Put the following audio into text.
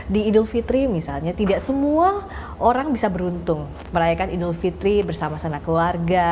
di idul fitri misalnya tidak semua orang bisa beruntung merayakan idul fitri bersama sama keluarga